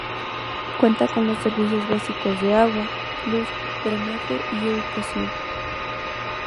Cuenta con los servicios básicos de agua, luz, drenaje y educación.